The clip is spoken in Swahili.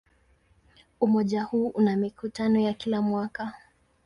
Umoja huu una mikutano ya kila mwaka.